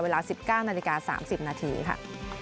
เวลา๑๙นาฬิกา๓๐นาทีค่ะ